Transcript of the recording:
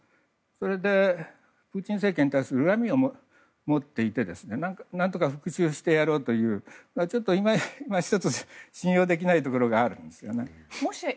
そこで、プーチン政権に対して恨みを持っていて何とか復讐をしてやろうと今一つ信用できないところがあるんですよね。